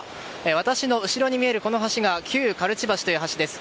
私の後ろに見えるこの橋が旧刈地橋という橋です。